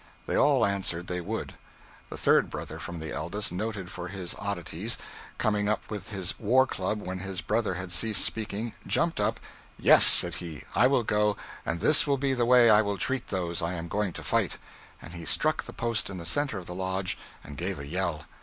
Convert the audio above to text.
They all answered they would. The third brother from the eldest, noted for his oddities, coming up with his war club when his brother had ceased speaking, jumped up. 'Yes,' said he, 'I will go, and this will be the way I will treat those I am going to fight;' and he struck the post in the center of the lodge, and gave a yell.